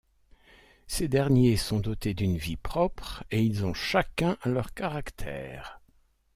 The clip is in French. Ces derniers sont dotés d'une vie propre et ils ont chacun leur caractère.